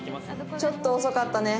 ちょっと遅かったね。